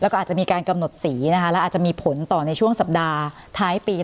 กำหนดสีและอาจจะมีผลต่อในช่วงสัปดาห์ท้ายปี